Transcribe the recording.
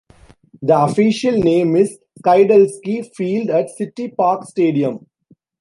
The official name is "Skidelsky Field at City Park Stadium".